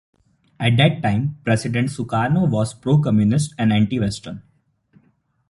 At that time, President Sukarno was pro-Communist and anti-Western.